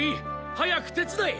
早く手伝え！